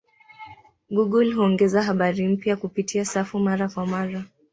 Google huongeza habari mpya kupitia safu mara kwa mara.